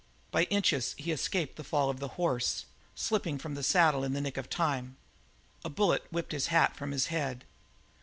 By inches he escaped the fall of the horse, slipping from the saddle in the nick of time. A bullet whipped his hat from his head.